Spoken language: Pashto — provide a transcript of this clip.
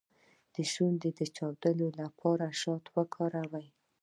د شونډو د چاودیدو لپاره شات وکاروئ